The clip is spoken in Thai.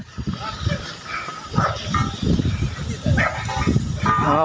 จัดกระบวนพร้อมกัน